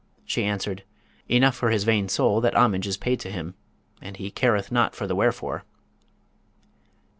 She answered, 'Enough for his vain soul that homage is paid to him, and he careth not for the wherefore!'